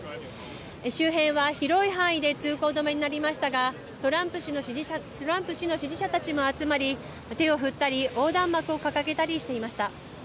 周辺は広い範囲で通行止めになりましたが、トランプ氏の支持者たちも集まり、手を振ったり横断幕を掲げたりしていました。